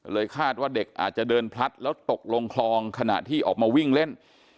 คาดว่าเด็กอาจจะเดินพลัดแล้วตกลงคลองขณะที่ออกมาวิ่งเล่น